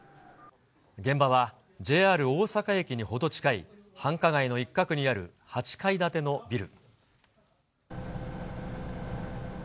現場はＪＲ大阪駅に程近い繁華街の一角にある８階建てのビル。